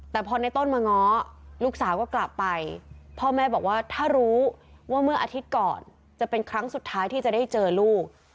แต่พอในต้นมาง้อลูกสาวก็กลับไปพ่อแม่บอกว่าถ้ารู้ว่าเมื่ออาทิตย์ก่อนจะเป็นครั้งสุดท้ายที่จะได้เจอลูก